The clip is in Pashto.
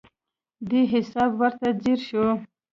دې حساب ورته ځیر شو.